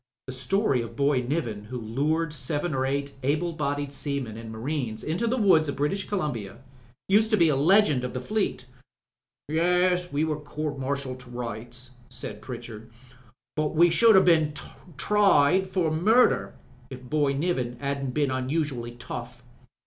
The story of Boy Niven who lured seven or eight able bodied seamen and marines into the woods of British Columbia used to be a legend of the Fleet. "Yes, we were court martiailed to nj^t^ " 9aid MRS. BATHURST 317 Pritchard, "but we should have been tried for murder if Boy Niven 'adn't been unusually tough.